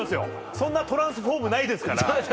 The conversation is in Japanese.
そんなトランスフォームないですから。